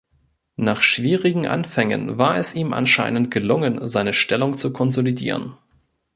Nach schwierigen Anfängen war es ihm anscheinend gelungen, seine Stellung zu konsolidieren.